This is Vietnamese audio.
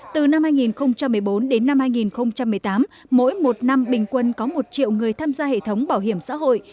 từ năm hai nghìn một mươi bốn đến năm hai nghìn một mươi tám mỗi một năm bình quân có một triệu người tham gia hệ thống bảo hiểm xã hội